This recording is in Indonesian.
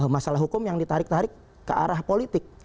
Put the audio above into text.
masalah hukum yang ditarik tarik ke arah politik